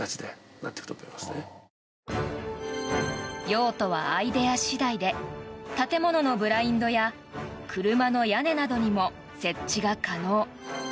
用途はアイデア次第で建物のブラインドや車の屋根などにも設置が可能。